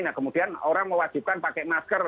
nah kemudian orang mewajibkan pakai masker